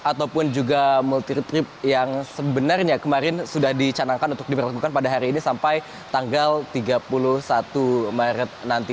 ataupun juga multiri trip yang sebenarnya kemarin sudah dicanangkan untuk diberlakukan pada hari ini sampai tanggal tiga puluh satu maret nanti